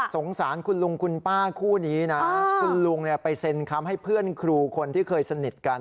สงสารคุณลุงคุณป้าคู่นี้นะคุณลุงไปเซ็นคำให้เพื่อนครูคนที่เคยสนิทกัน